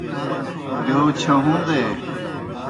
بہیو چھہُون٘دے۔